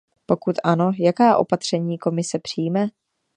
Pokud ano, jaká opatření Komise přijme?